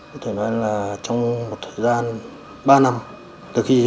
có thể nói là trong một thời gian ba năm